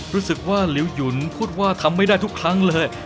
รู้สึกว่าหลิวหยุนพูดว่าทำไม่ได้ทุกครั้งเลย